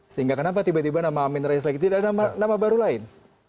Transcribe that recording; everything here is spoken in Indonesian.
sehingga kenapa tiba tiba nama amin rais lagi tidak ada nama baru lain